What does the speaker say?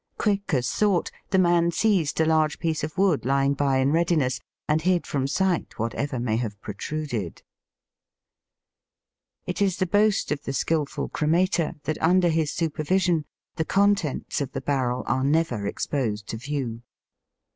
Quick as thought, the man seized a large piece of wood, lying by in readiness, and hid from sight whatever may have protruded. It is the boast of the skilful cremator that under his supervision the con tents of the barrel are never exposed to view.